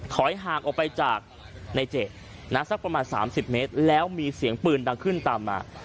ถอยห่างออกไปจากในเจดนักศักดิ์ประมาณสามสิบเมตรแล้วมีเสียงปืนดังขึ้นตามมา